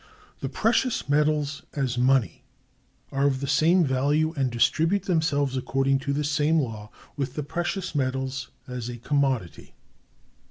The precious metals, as money, are of the same Value, and distribute themselves according to the same Law, with the precious metals as a Commodity.